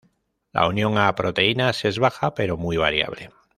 La unión a proteínas es baja, pero muy variable.